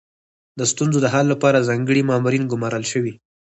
د ستونزو د حل لپاره ځانګړي مامورین ګمارل شوي.